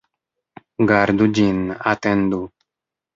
Gardu ĝin, atendu!